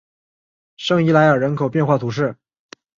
圣伊莱尔人口变化图示